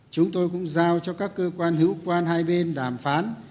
chúng tôi cũng giao cho các cơ quan hữu quan hai bên đàm phán